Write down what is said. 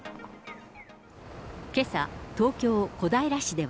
けさ、東京・小平市では。